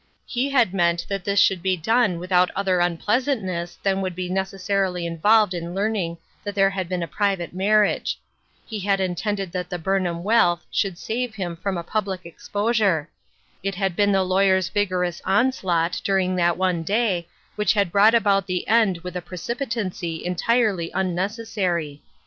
He had meant that this should be done without other unpleasantness than would necessarily be involved in learning that there had been a private marriage ; he had intended that the Burnham wealth should save him from a public exposure ; it had been the lawyer's vigor ous onslaught, during that one day, which had brought about the end with a precipitancy entirely unnecessary.